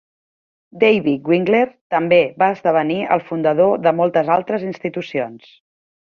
David Winkler també va esdevenir el fundador de moltes altres institucions.